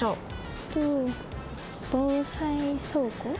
えっと防災倉庫？